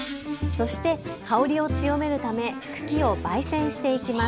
そして香りを強めるため茎をばい煎していきます。